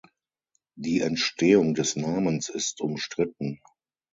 Die Entstehung des Namens ist umstritten.